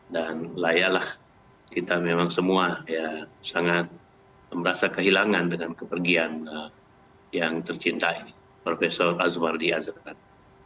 dan layalah kita memang semua sangat merasa kehilangan dengan kepergian yang tercintai prof azul mardi azat